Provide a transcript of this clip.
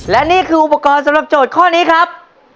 และนี่คืออุปกรณ์สำหรับโจทย์ข้อนี้ครับ